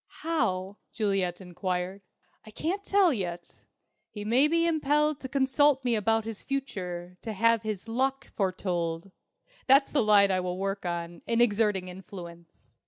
"How?" Juliet enquired. "I can't tell yet. He may be impelled to consult me about his future, to have his 'luck' foretold. That's the line I will work on, in exerting influence.